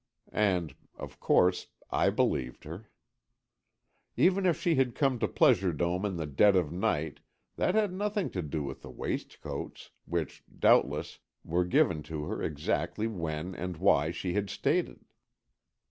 And, of course, I believed her. Even if she had come to Pleasure Dome in the dead of night, that had nothing to do with the waistcoats, which, doubtless, were given to her exactly when and why she had stated.